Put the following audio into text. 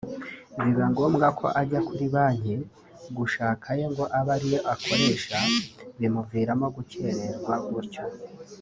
biba ngombwa ko ajya kuri banki gushaka aye ngo abe ariyo akoresha; bimuviramo gukererwa gutyo